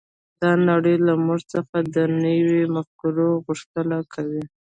دا نړۍ له موږ څخه د نويو مفکورو غوښتنه کوي.